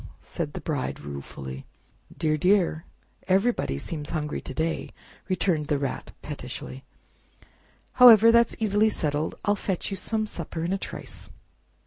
said the Bride ruefully. "Dear, dear! everybody seems hungry to day!" returned the Rat pettishly; "however, that's easily settled—I'll fetch you Some supper in a trice."